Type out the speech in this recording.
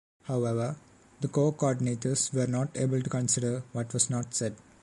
However, the co-coordinators were not able to consider what was not said.